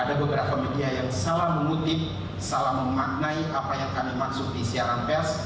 ada beberapa media yang salah mengutip salah memaknai apa yang kami maksud di siaran pers